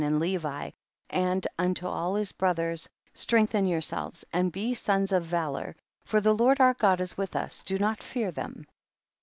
and Levi, and unto all his brothers, strengthen yourselves and be sons .of valour, for the Lord our God is with us ; do not fear them.